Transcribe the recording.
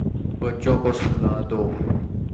بچوں کو سلا دو